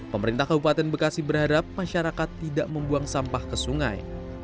pemerintah kabupaten bekasi berharap masyarakat tidak membuang sampah ke sungai